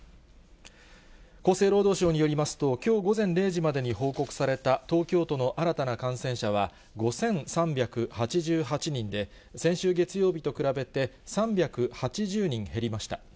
厚生労働省によりますと、きょう午前０時までに報告された東京都の新たな感染者は５３８８人で、先週月曜日と比べて、３８０人減りました。